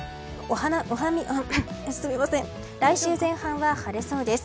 来週前半は晴れそうです。